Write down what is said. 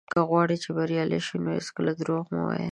که غواړې چې بريالی شې، نو هېڅکله دروغ مه وايه.